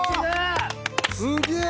すげえ！